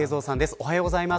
おはようございます。